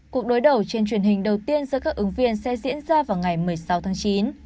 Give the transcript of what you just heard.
cuộc đối đầu trên truyền hình đầu tiên giữa các ứng viên sẽ diễn ra vào ngày một mươi sáu tháng chín